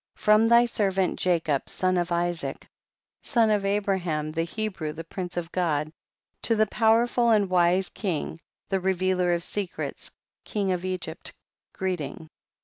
From thy servant Jacob, son of Isaac, son of Abraham the He brew, the prince of God, to the pow erful and wise king, the revealer of secrets, king of Egypt, greeting.